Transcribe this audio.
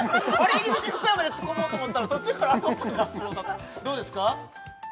入り口福山でツッコもうと思ったら途中から渡部篤郎だったどうですか？